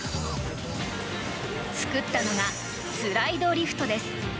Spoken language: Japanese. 作ったのがスライドリフトです。